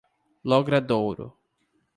Logradouro